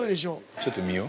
ちょっと見よう。